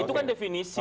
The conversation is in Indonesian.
itu kan definisi